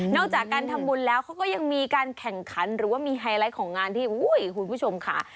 จากการทำบุญแล้วเขาก็ยังมีการแข่งขันหรือว่ามีไฮไลท์ของงานที่คุณผู้ชมค่ะ